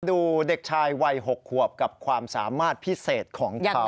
ดูเด็กชายวัย๖ขวบกับความสามารถพิเศษของเขา